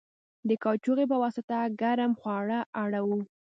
د کاچوغې په واسطه ګرم خواړه اړوو.